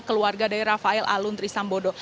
keluarga dari rafael alun trisambodo